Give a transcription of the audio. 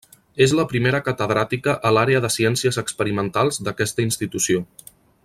És la primera catedràtica a l'àrea de Ciències Experimentals d'aquesta institució.